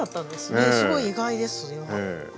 すごい意外です。